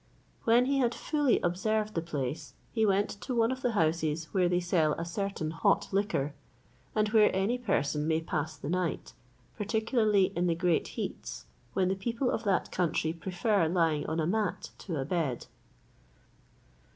When he had fully observed the place, he went to one of those houses where they sell a certain hot liquor, and where any person may pass the night, particularly in the great heats, when the people of that country prefer lying on a mat to a bed.